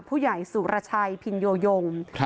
ผู้ใหญ่สุรชัยพินโยยง